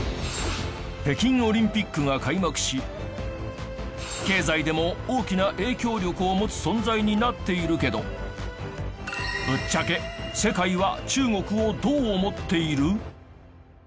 北京オリンピックが開幕し経済でも大きな影響力を持つ存在になっているけどぶっちゃけ世界は中国をどう思っている？